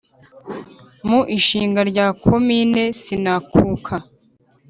mu ishinga rya komine sinakuka